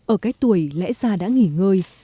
ở cái tuổi lẽ già đã nghỉ ngơi